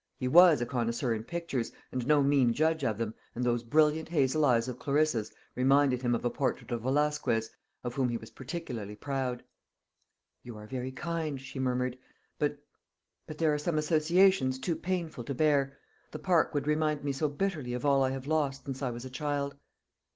He was a connoisseur in pictures, and no mean judge of them, and those brilliant hazel eyes of Clarissa's reminded him of a portrait by Velasquez, of which he was particularly proud. "You are very kind," she murmured; "but but there are some associations too painful to bear. The park would remind me so bitterly of all I have lost since I was a child."